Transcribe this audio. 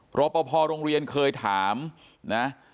เพราะพอโรงเรียนเคยถามนะ